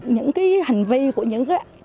những cái hành vi của những cái